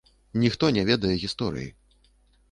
Ніхто не ведае гісторыі.